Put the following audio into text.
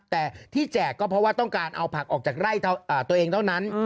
แต่ที่แจกก็เพราะว่าต้องการเอาผักออกจากไร่ตัวเองเท่านั้น